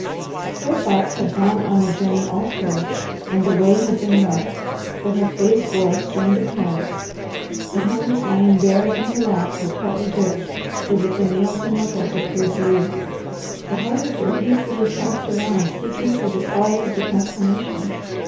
Her thoughts had gone on a journey, also, and the way had been rough, for her face wore a strained appearance. The hands lying bare in her lap were tightly gripped, so that the nails and knuckles appeared blue. The Harvester hastily cast around seeking for the cause of the transformation.